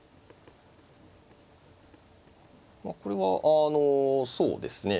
これはあのそうですね